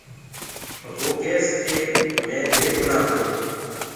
تو وو ڪيس ڪي مي بي گُنآ هونٚ۔